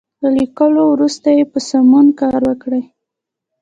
له ليکلو وروسته یې په سمون کار وکړئ.